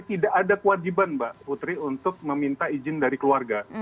tidak ada kewajiban mbak putri untuk meminta izin dari keluarga